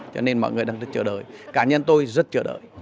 cho nên mọi người đang rất chờ đợi cả nhân tôi rất chờ đợi